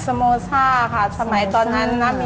โมซ่าค่ะสมัยตอนนั้นนะ